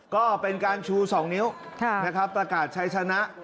ก็เป็นการชู๒นิ้วนะครับประกาศใช้ชนะ